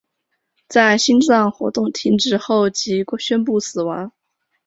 在心脏活动停止后即宣布死亡。